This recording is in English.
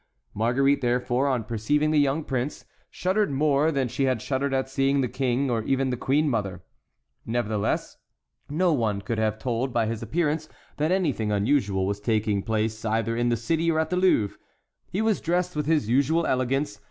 Marguerite, therefore, on perceiving the young prince, shuddered more than she had shuddered at seeing the King or even the queen mother. Nevertheless no one could have told by his appearance that anything unusual was taking place either in the city or at the Louvre. He was dressed with his usual elegance.